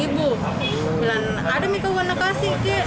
bilang ada mie ke uang nakasin ke